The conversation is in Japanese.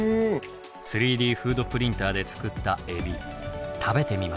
３Ｄフードプリンターで作ったエビ食べてみましょう。